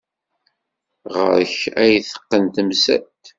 Ɣer-k ay teqqen temsalt.